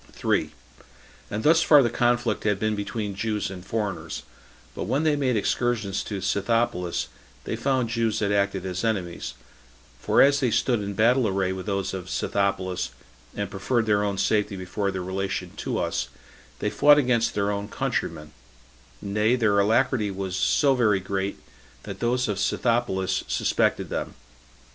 3. And thus far the conflict had been between Jews and foreigners; but when they made excursions to Scythopolis, they found Jew that acted as enemies; for as they stood in battle array with those of Scythopolis, and preferred their own safety before their relation to us, they fought against their own countrymen; nay, their alacrity was so very great, that those of Scythopolis suspected them.